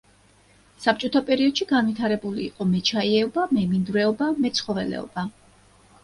საბჭოთა პერიოდში განვითარებული იყო მეჩაიეობა, მემინდვრეობა, მეცხოველეობა.